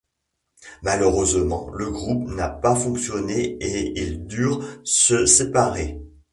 Malheureusement, le groupe n'a pas fonctionné et ils durent se séparer.